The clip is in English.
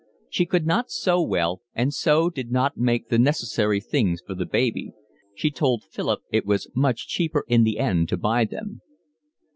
She could not sew well and so did not make the necessary things for the baby; she told Philip it was much cheaper in the end to buy them.